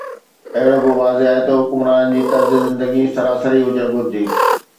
اهو به واضح آهي ته حڪمرانن جي طرز زندگي سراسري هجڻ گهرجي.